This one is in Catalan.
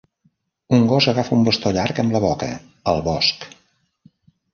Un gos agafa un bastó llarg amb la boca al bosc.